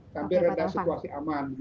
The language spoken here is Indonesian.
sampai reda situasi aman